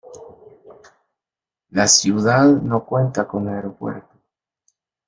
La ciudad no cuenta con aeropuerto.